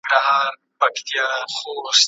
له بل ځایه مې ورکړي.